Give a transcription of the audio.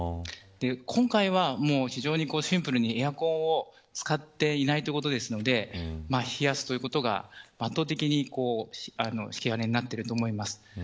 今回は、非常にシンプルにエアコンを使っていないということなので冷やすということが圧倒的に引き金になっていると思います。